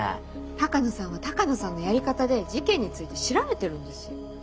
鷹野さんは鷹野さんのやり方で事件について調べてるんですよ。